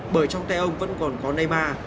bởi trong tay ông vẫn còn có neymar